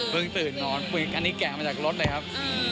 ตื่นนอนอันนี้แกะมาจากรถเลยครับ